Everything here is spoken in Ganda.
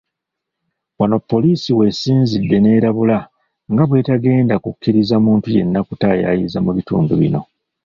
Wano poliisi w'esinzidde n'erabula nga bwe batagenda kukkiriza muntu yenna kutaayayiza mu bitundu bino.